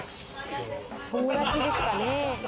友達ですかね？